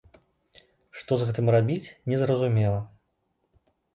Што з гэтым рабіць, незразумела.